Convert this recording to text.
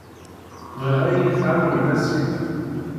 Bɣiɣ ad iyi-tɛawnem azekka.